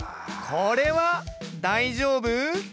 これは大丈夫？